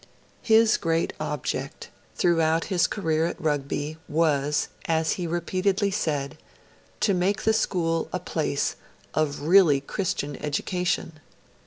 His great object, throughout his career at Rugby, was, as he repeatedly said, to 'make the school a place of really Christian education'.